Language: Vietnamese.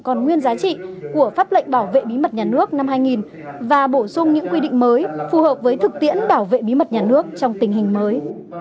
còn nguyên giá trị của pháp lệnh bảo vệ bí mật nhà nước năm hai nghìn và bổ sung những quy định mới phù hợp với thực tiễn bảo vệ bí mật nhà nước trong tình hình mới